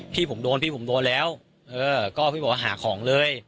พี่ผมโดนพี่ผมโดนแล้วก็พี่บอกว่าหาของเลย